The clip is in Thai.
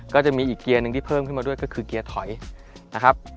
ก็จะมีอีกเกียร์หนึ่งที่เพิ่มขึ้นมาด้วยก็คือเกียร์ถอยนะครับ